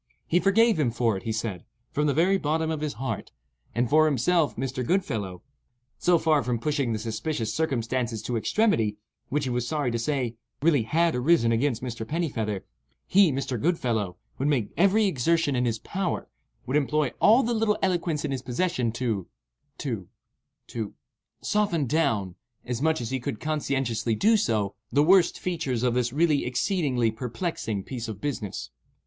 "He forgave him for it," he said, "from the very bottom of his heart; and for himself (Mr. Goodfellow), so far from pushing the suspicious circumstances to extremity, which he was sorry to say, really had arisen against Mr. Pennifeather, he (Mr. Goodfellow) would make every exertion in his power, would employ all the little eloquence in his possession to—to—to—soften down, as much as he could conscientiously do so, the worst features of this really exceedingly perplexing piece of business."